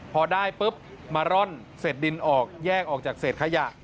พอได้ปุ๊บมาร่อนเศษดินออกแยกออกจากเศษขยะ